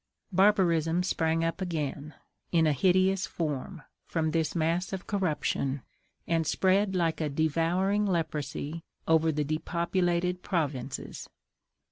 Barbarism sprang up again, in a hideous form, from this mass of corruption, and spread like a devouring leprosy over the depopulated provinces.